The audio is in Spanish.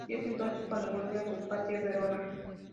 Es entonces cuando vuelve a su patria, Verona.